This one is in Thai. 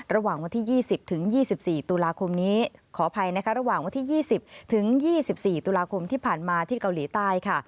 ระหว่างวันที่๒๐๒๔ตุลาคมที่ผ่านมาที่เกาหลีใต้